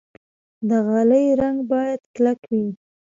د غالۍ رنګ باید کلک وي.